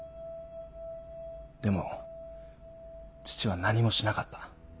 でも父は何もしなかった。